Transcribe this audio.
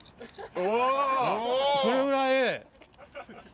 うわ。それぐらい。